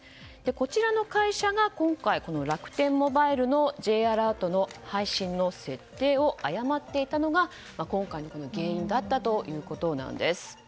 こちらの会社が今回楽天モバイルのＪアラートの配信の設定を誤っていたのが今回の原因だったということです。